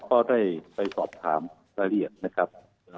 ก็ได้ไปสอบถามรายละเอียดนะครับ